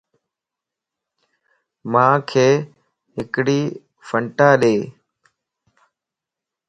مانک ھڪڙي ڦنٽا ڏي